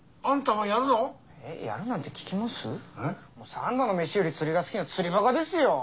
三度の飯より釣りが好きな釣りバカですよ。